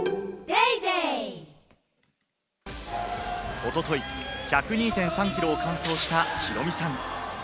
おととい、１０２．３ｋｍを完走したヒロミさん。